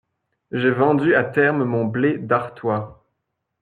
J'ai vendu à terme mon blé d'Artois.